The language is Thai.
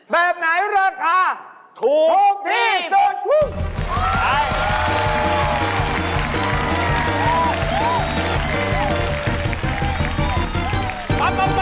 แบบไหนเลิกค่ะทรุดพลีส่งฮู้เลย